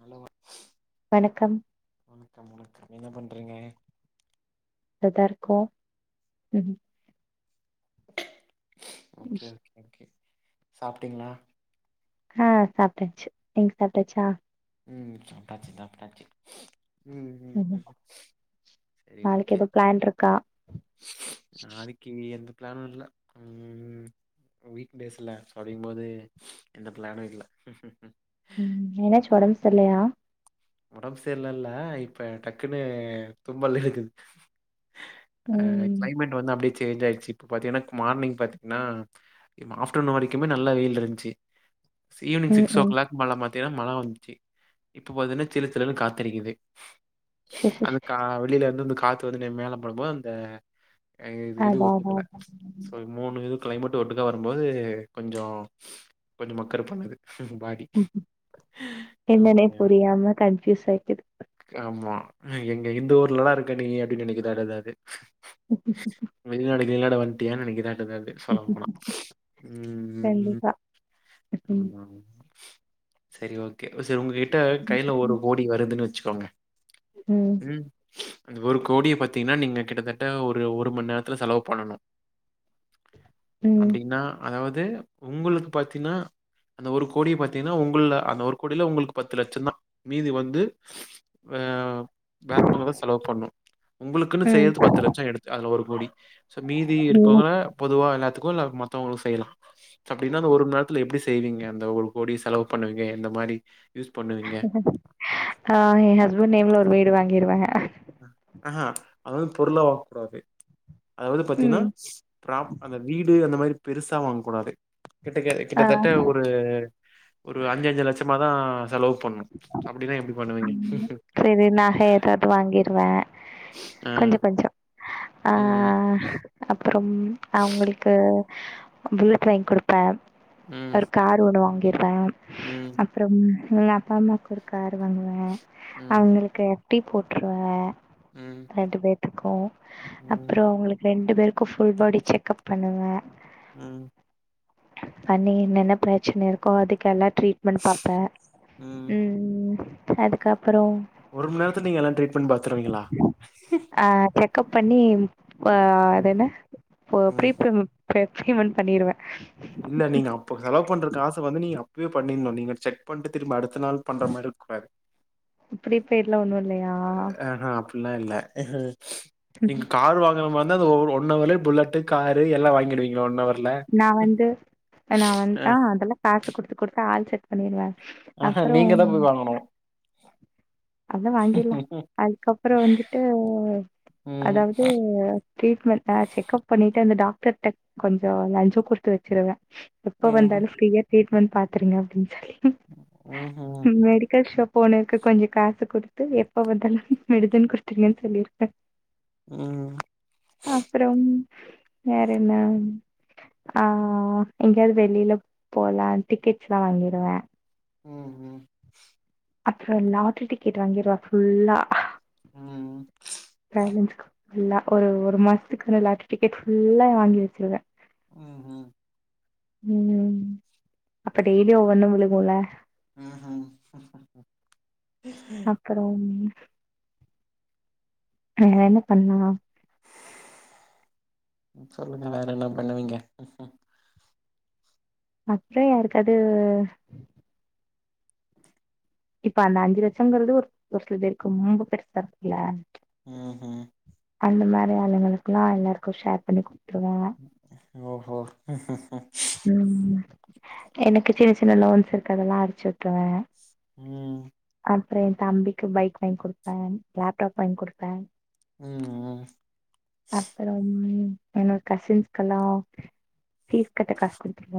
Hello வணக்கம் வணக்கம் வணக்கம் என்ன பண்ண றீங்க தா இருக்கோ உம் ஓகே ஓகே சாப்ட்டீங்களா ஆ சாப்ட்டச்சு நீங்க சாப்ட்டச்சா உம் சாப்டாச்சு சாப்டாச்சு உம் சரி ஓகே நாளைக்கு எந்த பிளானோ இல்ல ம் வீக்டேஸ்ல்ல சொல்லும் போது எந்த பிளானு இல்ல ம் என்னாச்சு ஓகே ஒடம்பு சரில்லையா ஒடம்பு செரில்ல இல்ல இப்ப டக்குன்னு தும்பல் இருக்குது அ ம். கிளைமேட் வந்து அப்டியே சேஞ்ச் ஆயிடுச்சு இப்ப பாத்தீங்கன்னா மார்னிங் பாத்தீங்கன்னா இவ் ஆஃப்டர்நூன் வரைக்குமே நல்லா வெயில் இருந்ச்சு சு ஈவினிங் ம், சிக்ஸ் ஓ ம். கிளாக் மழ மாத்தீங்கன்னா மழ வந்துச்சு இப்போ பாத்தீன்னா ஜிலு ஜிலுனு காத்தடிக்குது சரி, சரி, அந்த சரி. கா வெளியில இருந்து அந்த கா துனு நா மேல பண்ணும்போது அ இது இது அதா அதா ஒத்துக்கல அதா. சோ மூணு இது கிளைமேட் ஒட்டுக்கா வரும்போது கொஞ்சொ கொஞ்சொ மக்கர் பண்ணுது பாடி. என்னன்னே ஓகே, புரியாம கன்ஃபுயூஸ் ஆய்ட்டு ஓகே. ஆமா எங்க இந்த ஊர்லதா இருக்க நீங்க அப்டின்னு இனைக்கு ஸ்டாட் ஆகாது ஓகே கே விளாட வண்டியா நனைக்கிறே அதுகார்டி சொல்லப் போனா ம் கண்டிப்பா. ம். ஆ சரி ஓகே ஒ சரி உங்ககிட்ட கையில ஒரு கோடி வருதுன்னு வச்சுக்கோங்க ம் அந்த ஒரு கோடிய பாத்தீங்கன்னா நீங்க கிட்டத்தட்ட ஒரு ஒரு மணி நேரத்துத செலவு பண்ணணு ம், ம், அப்டின்னா அதாவது உங்களுக்கு பாத்தீன்னா அந்த ஒரு கோடிய பாத்தீங்கன்னா உங்கள்ல அந்த ஒரு கோடியில உங்களுக்கு பத்து லட்ச தா மீதி வந்து வே வே வங்க செலவு பண்ணு உங்களுக்குன்னு சேத்து பத்து லட்ச எடுத்து அதுல ஒரு கோடி சோ மீதி ம். இருக்கவங்க பொதுவா எல்லா துகோ நம்ம மத்தவங்கள்க்கு செய்லா சொ அப்டினா அந்த ஒரு மநேரத்துல எப்டி செய்வீங்க அந்த ஒரு கோடி செலவு பண்ணுவீங்க எந்த மாரி யூஸ் பண்ணுவீங்க நா எ ஹஸ்பண்ட் நேம்ல ஒரு வீடு வாங்கிருவேங்க அ அஹா அத வந்து பொருளா வாங்க கூடாது அதாவது பாத்தீங்கன்னா ம். ப்ரோப் அந்த வீடு அந்த மாரி பெருசா வாங்கக் கூடாது கிட்ட க ஆ. கிட்டத்தட்ட ஒரு ஒரு அஞ்சஞ்சு லட்சமா தா செலவு பண்ணு அப்டினா எப்டி பண்ணுவீங்க ட்ருவா ஆ கொஞ்சொ கொஞ்சொ ஆ ம் அப் அப்புறம் அவங்களுக்கு புல்ட்ரைன் கொடுப்பே ம் ஒரு கார் ஒன்னு வாங்கிருவே ம் அப்புறம் எங்க அப்பா அம்மாக்கு ஒரு கார் வங்குவே ம் அவங்களுக்கு எஃப் டி போட்ருவே ம் ரெண்டு பேத்துக்கு ம் அப்புறோ அவங்களுக்கு ரெண்டு பேருக்கு ஃபுல் பாடி செக்கப் பண்ணுவே ம் பண்ணி என்னென்ன பிரச்சன இருக்கோ அதுக்கு எல்லா ட்ரீட்மெண்ட் பாப்பே ம் அதுக்கப் புறோ ஒரு மண் நேரத்துல நீங்க எல்லா ட்ரீட்மெண்ட் பாத்துருவீங்களா ஆ செக் கப் பண்ணி ஆ அ. அது என்ன இப்போ ம் ட்ரீட்மெண்ட் [unintelligible] பண்ணிடுவே இல்ல நீங்க அப்ப செலவு பண்றக்காசு வந்து நீங்க அப்பவே பண்ணிர்ணு நீங்க செக் பண்ட்டு திரும்பி அடுத் த நாள் பண்ற மாரி இருக்கக் கூடாது ப்ரீபெய்டில் ஒன்றும் இல்லையா அஹா அப் பில்லா இல்ல நீங்க கார் வாங்கற மா ந்தா ஒரு ஒன் அவர்லயே புல்லட்டு காரு எல்லா வாங்கிடுவீங்களோ ஒன் அவர்ல நான் வந்து நா வந் ஆ அதெல்லா காசு கொடுத்து கொடுத்து ஆள் செட் பண்ணிடுவே அஹா நீங்க தா போய் வாங்கனு அத வாங்கிட்லா அதுக்கப்புறோ வந்துட்டு ம் அதாவது ட்ரீட்மெண்ட்னா செக்கப் பண்ணிட்டு அந்த டாக்டர்க்ட்ட கொஞ்சோ லஞ்சொ கொடுத்து வச்சுருவே எப்போ ம்ஹூ வந்தாலு ஃப்ரீயா ட்ரீட்மெண்ட் பாத்துருங்க அப்டின்னு சொல்லி ம்ஹூ மெடிக்கல் ஷாப் போனதுக்கப்ரோ இங்க காசு குடுத்து எப்ப வந்தாலு மெடுசன் குடுத்துருங்கன்னு சொல்லிருப்பே ம் அப்பறம் வேற என்ன ஆ எங்கேயாவது வெளியில போலா டிக்கெட்ஸ் எல்லா வாங்கிருவ உம் உம் அப்புறோ லாட்ரி டிக்கெட் வாங்கிருவ ஃபுல்லா உம் உம் ல்ல ஒரு ஒரு மாசத்துக்குகான லாட்ரிடிக்கெட் ஃபுல்லா வாங்கி வச்சிருவே உம் உம் உம் அப்ப டெய்லியு ஒவ்வொன்னு விழுகுல ம்ஹூ அப்புறோம் வேர என்ன பண்லா சொல்லுங்க வேற என்ன பண்ணுவீங்க அப்புறோ யாருக்காது இப்ப அந்த அஞ்சு லட்சம்ங்கிறது ஒரு ஒரு சில பேருக்கு ரொம்ப பெருசா இருக்குல்ல ம்ஹூ அந்த மாரி ஆளுங்களுகெல்லா எல்லாருக்கு ஷேர் பண்ணி குடுத்துருவா ஓ ஓ உம் எனக்கு சின்ன சின்ன லோன்ஸ் இருக்கு அதெல்லா அடச்சி விட்டுருவே உம் அப்புறோ எ தம்பிக்கு பைக் வாங்கி கொடுப்பே லேப்டாப் வாங்கி குடுப்பே ம் அப்புறோ மே என்னோட கசின்ஸ்கெல்லா பீஸ் கட்ட காசு குடுத்துருவ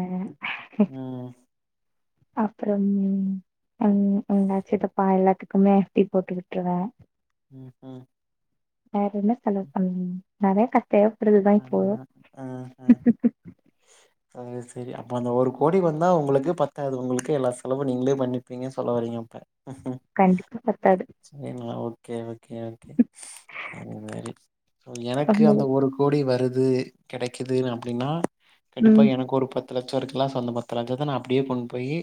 ம் அப்புறோம் உம் உா சித்தப்பா எல்லாத்துக்குமே எஃப்டி போட்டு விட்டுருவே உம் உம் வேற என்ன செலவு பண்ணுவிங்க நெறையா கஷ தேவைப்படுதுதா இப்போ அது செரி அப்போ அந்த ஒரு கோடி வந்தா உங்களுக்கு பத்தாவது உங்களுக்கு எல்லா செலவு நீங்களே பண்ணிருப்பீங்கன்னு சொல்ல வரீங்க அப்ப கண்டிப்பா பத்தாது. சரினா ஓக்கே ஓ ஓக்கே ஓக்கே மாரி எனக்கு அந்த உங்களுக்கு ஒரு கோடி வருது கெடைக்குது அப்படின்னா கண்டிப்பா ம் எனக்கு ஒரு பத்து பத்து லட்சோ இருக்கலா சோ அந்த பத்து லட்சத்த நா அப்பிடியே கொண்டு போயி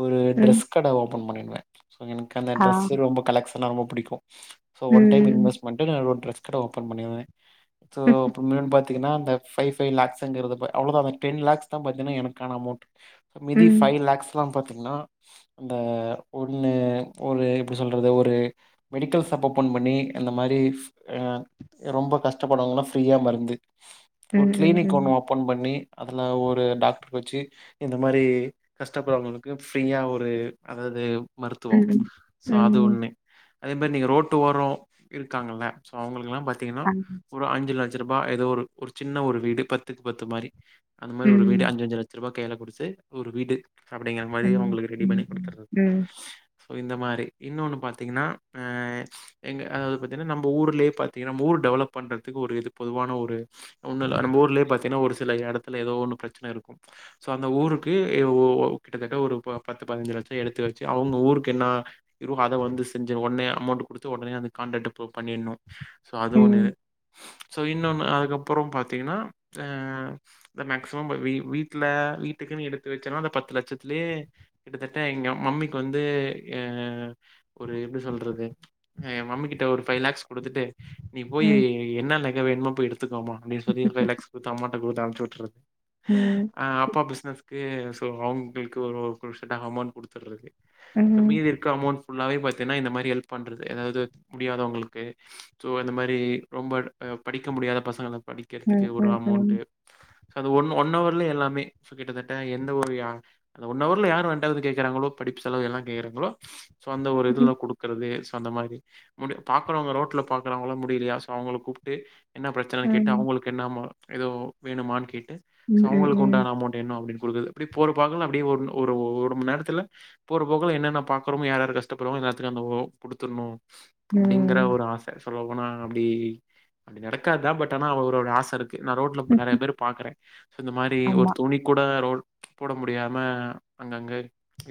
ஒரு ம் டிரெஸ் கடே ஓபன் பண்ணிருவே சோ எனக்கு அந்த ஆ டிரெஸ்சு ரொம்போ கலெக்க்ஷன்னா ரொம்போ புடிக்கு ஒன் டைம் ம் இன்வெஸ்மெண்டு ந ட்ரெஸ் கடே ஓபன் பண்ணிர்ரே சோ ம் அப்புறமேல் பாத்தீங்கன்னா அந்த பைய் பைய் லெக்ஸ்ங்கரது பத்திங்னா அவ்ளோதா டென் லெக்ஸ் அதுதா பாத்தினா எனக்கான அமௌண்ட் மீதி ம் பைவ் லேக்ஸ்லா எல்லா பாத்தி திங்கன்னா அந்த ஒன்னு ஒரு எப்பிடி சொல்றது ஒரு மெடிக்கல் சாப் ஓபண் பண்ணி அந்த மாரி ஆ ரொம்ப கஷ்டப்படுவங்கள ஃப்ரீயா மருந்து ஒரு ம் கிளீனிக் ம் ஒன்னு ஓப்பன் பண்ணி அதுல ஒரு டாக்டரு வச்சி இந்த மாரி கஷ்டப்படுறவங்களுக்கு ஃப்ரீயா ஒரு அதாவது மருத்துவோ ம் சோ அது ம் ஒண்ணு அதே மாரி நீங்க ரோட்டு ஓரோ இருக்காங்கள ஸோ அவங்களுக்கெல்லா பாத்தீங்கன்னா ஆ ஒரு அஞ்சு லட் ரூபா ஏதோ ஒரு சின்ன ஒரு வீடு பத்துக்கு பத்து மாரி அந்த மாரி ஒரு ம் வீடு அஞ்சஞ்சு லட்ச ரூபாக்கு கையில குடுத்து ஒரு வீடு அப்படிங்கிற மாரி ம் அவங்களுக்கு ரெடி ம் பண்ணி கொடுத்தரது ம் சோ இந்த மாரி இன்னொன்னு பார்த்திங்கன்னா ஆ எங்க அதாவது பார்த்தீங்கன்னா நம் ஊர்லயே பார்த்தீங்கன்னா நம்ம ஊர் டெவலப் பண்ணுறதுக்கு ஒரு இது பொதுவான ஒரு ஒண்ணு நம்ம ஊர்லயே பாத்தீங்கன்னா ஒரு சில இடத்துல ஏதோ ஒண்ணு பிரச்சனை இருக்கு சோ அந்த ஊருக்கு இவ வோ கிட்டத்தட்ட ஒரு பத்து பதினஞ்சு லட்சோ எடுத்து வெச்சி அவங்க ஊருக்கு என்ன இரு அத வந்து செஞ்சு ஓடனே அம் போட்டு கொடுத்து ஒடனே அந்த காண்ரேட்ட போ பண்ணிடனு சோ அது ஒண்ணு ம் ஸோ இன்னொன்னு அதுக்கப்புறோ பாத்தீங்கன்னா ஆ மேக்சிமம் வீட்டுல வீட்டுக்குன்னு எடுத்து வச்சானா அந்த பத்து லட்சத்துலேயே கிட்டத்தட்ட எங்க மம்மிக்கு வந்து ஏ ஒரு எப்டி சொல்றது ஏ மம்மி கிட்ட ஒரு ஃபை லேக்ஸ் குடுத்துட்டு நீ ம் போயி ம் என்ன நெக வேணுமோ போயி எடுத்துக்கோ மா அப்படின் சொல்லி ஒரு ஃபைவ் லக்ஸ் குடுத் அம்மாட்ட குடுத்து அம்ச்சு விட்டுர் ம் அ அப்பா பிசினஸ்க்கு [unintelligible] ங்களுக்கு ஒரு க்ருஷியல் அமௌண்ட் குடுத்துர்றது சோ ம் மீதி இருக்க அமௌண்ட் ஃபுல்லாவே பாத்தீனா இந்த மாரி ஹெல்ப் பண்ணுறது எதாவது முடியாதவங்களுக்கு ஸோ இந்த மாரி ரொம்ப அ படிக்க முடியாத பசங்கள படிக்கர்த்துக்கு ம் ஒரு அமௌண்டு ம் அது ஒன் ஒன்னவர்லே எல்லாமே கிட்டத்தட்ட எந்த ஒரு அ அந்த ஒன்னவர்ல யாரு வான்ட்டா வந்து கேக்றாங்ளோ படி டிப்ஸ்லா எல்லா கேக்றாங்களோ அந்த ஒரு ம் இதுல குடுக்கறது அந்த மாரி முடி பாக்குறவங்க ரோட்ல பாக்குறவங்கள முடிலயா சோ அவங்கள கூப்ட்டு என்ன பிரச்சன கேட்டு ம் அவுங்களுக்கு என்ன ம எதோ வேணுமான் கேட்டு சோ ம், ம், அவுங்களுக்கு ம், உண்டான அமௌண்ட் என்ன அப்டின் குடுக்கறது இப்டி போற பாக்குல அப்டே ஒன் ஒரு ஒரு மண் நேரத்துல போற போக்குல என்னென்ன பாக்குறமோ யாராரு கஷ்டப்படுறாங் எல்லாத்துக்கு அந்த ஓ குடுத்துண்ணு அப்டிங்கற ம். ஒரு ஆச சொல்ல போனா அப்டி அப்டி நடக்காதா பட் ஆனா அவரோட ஆசருக்கு நா ரோட்ல இப்ப ம். நறைய பேர் பாக்குறே சோ இந்த மாரி ஒரு ஆமா. துணி கூட ரோ போட முடியாம அங்கங்க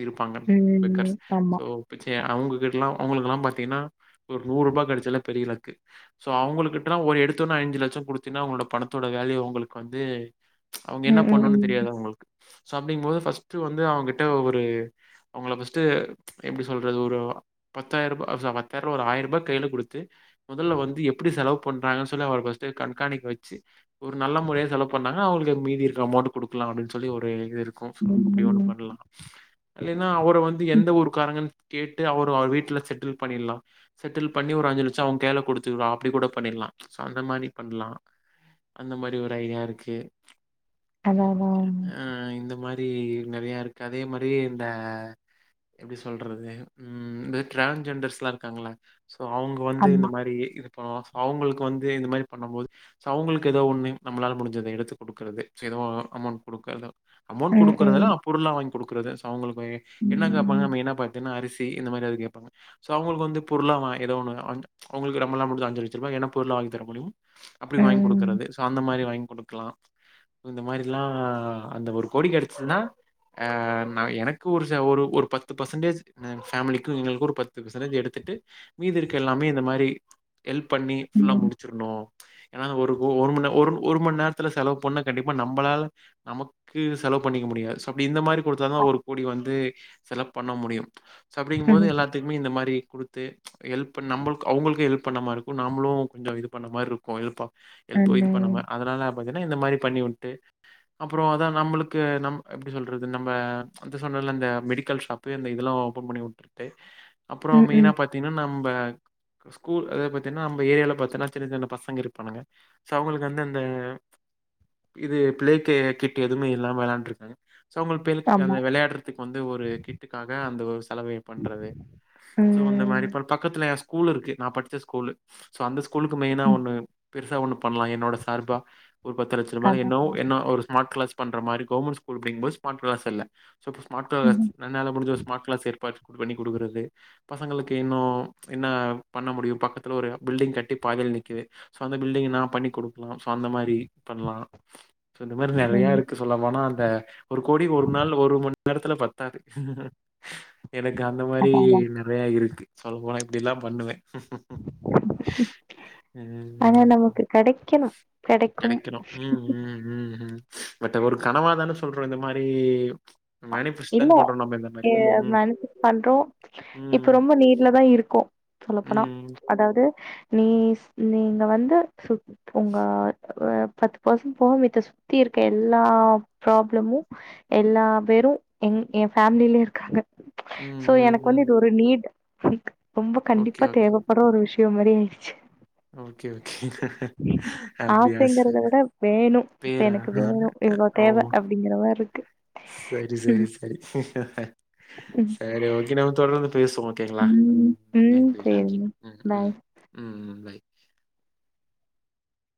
இருப்பாங்க ம். பெக்கர்ஸ் ஆமா. சோ பிச்சையா அவங்க கிட்லா அவங்குளுக்குலா பாத்தீங்னா ஒரு நூரூபா கெடைச்சாலே பெரிய லக்கு சோ அவுங்குளுக்கு லா ஒரு எடுத்தொன்னே ஐஞ்சு லட்சோ குடுத்தீனா உங்களோட பணத்தோட வேல்யூ அவுங்களுக்கு வந்து அவங்க என்ன ம், ம், பண்ணுன் ம். தெரியாது அவங்களுக்கு சோ அப்டிங்போது ஃபஸ்ட்டு வந்து அவுங்கிட்ட ஒரு அவங்கள ஃபஸ்ட்டு எப்டி சொல்றது ஒரு பத்தாய்ரூபா [unintelligible] பத்தாய்ரூபா ஒரு ஆயரூபா கைல குடுத்து மொதல்ல வந்து எப்டி செலவு பண்றாங்க சொல்லி அவ ஃபஸ்ட்டு கண்காணிக் வச்சு ஒரு நல்ல முறைல செலவு பண்ணாங்னா அவங்ளுக்கு மீதி இருக்க அமௌண்ட் குடுக்கலா அப்டின் சொல்லி ஒரு இரு [unintelligible] அப்டி ஒன்னு ம். பண்லா இல்லைன்னா அவர வந்து எந்த ஊரு காரங்கன் கேட்டு அவர அவர் வீட்ல செட்டில் பண்ணில்லா செட்டில் பண்ணி ஒரு அஞ்சு லச்சோ அவுங் கைல குடுத்துன் அப்டி கூட பண்ணிர்லா சோ அந்த மாரி பண்லா அந்த மாரி ஒரு ஐடியாருக்கு அதா அதா ரி நறையருக்கு அதே மாரி இந்த எப்டி சொல்றது ம் இந்த டிரான்ஜெண்டர்ஸ்லா இருக்காங்ள சோ அவங்க வந்து இந்த ஆமா. மாரி இதுப்ப அவுங்குளுக்கு வந்து இந்த மாரி பண்ணம்போது ஸோ அவுங்குளுக்கு எதோ ஒன்னு நம்ளால முடிஞ்சது எடுத்து குடுக்குறது ஸோ எதோ அமௌண்ட் குடுக்கறது அமௌண்ட் ம், குடுக்குறதுல ம். பொருள்லா வாங்கி குடுக்குறது சோ அவுங்களுக்கு எ என்ன கேப்பாங்க ம். மெயினா பாத்தீனா அரிசி இந்த மாரி எதா கேப்பாங்க சோ அவுங்களுக்கு வந்து பொருளா வா எதோ ஒன் [unintelligible] அவுங்களுக்கு நம்லா முடிஞ்ச அ [unintelligible] என்ன பொருளா வாங்கி தர முடியுமோ அப்டி வாங்கி ம். குடுக்கறது சோ அந்த மாரி வாங்கி குடுக்லா சோ இந்த மாரிலா அந்த ஒரு கொடி கெடைச்சிதுனா அ நா எனக்கு ஒரு ச ஒரு ஒரு பத்து பர்சன்டேஜ் அ எங் ஃபேமிலிக்கு எங்ளுக்கு ஒரு பத்து பிசன்டேஜ் எடுத்து ட்டு மீதி இருக்க எல்லாமே இந்த மாரி ஹெல்ப் பண்ணி ஃபுல்லா ம். முடிச்சிர்ணு ஏனா ஒரு ஒ ஒரு மண் ஒரு ஒரு மண் நேரத்து செலவு பண்ண கண்டிப்பா நம்பளால நமக்கு செலவு பண்ணிக்க முடியாது சோ அப்டி இந்த மாரி குடுத்தாதா ஒரு கோடி வந்து செல பண்ண முடியு சோ அப்டிங்போது ம். எல்லாத்துக்குமே இந்த மாரி குடுத்து ஹெல்ப் இப்ப நம்பல் க்கு அவங்கள்க்கு ஹெல்ப் பண்ண மாரிருக்கு நாம்ளு கொஞ்சோ இது பண்ண மாரிருக்கு ஹெல்ப்பா எல்ப்போ இது பண்ண ம். மா அதனால பாத்தினா இந்த மாரி பண்ணி உட்டு அப்றோ அதா நம்ளுக்கு நம் எப்டி சொல்றது நம்ம அத் சொன் னல இந்த மெடிக்கல் ஷாப்பு இந்த இதெல்லா ஓப்பன் பண்ணி உட்ருட்டு அப்றோ ம், மெயினா ம். பாத்தீனா நம்ம ஸ்கூல் அத பத் ன்னா நம ஏரியால பாத்தீனா சின்ன சின்ன பசங்க இருப்பானுங்க சோ அவுங்களுக்கு வந்து அந்த இது ப்ளே கே கிட்டு எதுமே இல்லாம வெள்ளாண்ட்ருக்காங்க சோ அவுங்க ப்ளே [unintelligible] அந்த ஆமா. வெளயாட்றத்துக்கு வந்து ஒரு கிட்டுக்காக அந்த ஒரு செலவயு பண்றது சோ அந்த ம். மாரி ப பக்கத்துல ஏன் ஸ்கூல் ருக்கு நா படிச்ச ஸ்கூலு சோ அந்த ஸ்கூலுக்கு மெயினா ம். ஒன்னு பெருசா ஒன்னு பண்லா என்னோட சார்பா ஒரு பத்து லச்ச ரூபா அதான். என்னோ என்ன ஒரு ஸ்மார்ட் கிளாஸ் பண்ற மாரி கவர்மெண்ட் ஸ்கூல் படிக்கும் போது ஸ்மார்ட் கிளாஸ் இல்ல சொ ஸ்மார்ட் ம். கிளாஸ் ம். என்னால முடிஞ்ச ஸ்மார்ட் கிளாஸ் ஏற்பா பண்ணி குடுக்கறது பசங்களுக்கு இன்னு என்ன பண்ண முடியு பக்கத் துல ஒரு பில்டிங் கட்டி பாதில நக்குது சோ அந்த பில்டிங் நா பண்ணி குடுக்கலா சோ அந்த மாரி பண்ணலா ச இந்த மாரி அதான், நெறையாருக்கு சொல்ல போனா அ ஒரு கோடி ஒரு நாள் ஒரு மணி நேரத்துல பத்தாது எனக்கு அந்த மாரி அதான். நெறையா இருக்கு சொல்ல போன இப்படில்லா பண்ணுவே [inaudible] ஆனா ம் நமக்கு கிடைக்கணும். கிடைக்கும். கெடைக்கனு ம் ம் ம் ம் பட் ஒரு கனவாதான சொல்றோ இந்த மாரி மேனிஃபெஸ்ட் இல்ல தான் பண்றோ நம்ம இந்த மாரி. எ ம் ந ம் [unintelligible] பண்றோ இப்ப ம் ரொம்ப நீர்லதா இருக் இருக்கு சொல்லப்போனா ம் அதாவது நீஸ் நீங்க வந்து சு உங்க அப் பத்து பர்சன் போக மத்த சுத்தி இருக்க எல்லா ப்ராப்ளமு எல்லா வெரு எங் எ பேமிலில இருக்காங்க ம் சோ ம் எனக்கு ம் வந்து இது ஒரு நீட் நி ரொம்ப ஓகே கண்டிப்பா ஓகே தேவைப்பற ஒரு விஷயம் மாரி ஆயிடுச்சு ஓகே ஓகே அப்படியா ஆசைங்கறத சரி பேரா இவ்ள அ ஓ தேவை அப்டிங்கிற மார்ருக்கு சரி சரி சரி ம் சரி ஓகி நாம தொடர்ந்து பேசுவோ ஓகேங்களா ம் ம் நன்றி நன்றி சேரிங்க ம் ம் பாய் ம் பை